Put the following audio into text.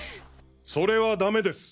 それはダメです！